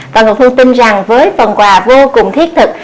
và ngọc hương tin rằng với phần quà vô cùng thiết thực